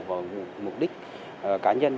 vào mục đích cá nhân